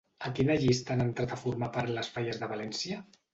A quina llista han entrat a formar part les Falles de València?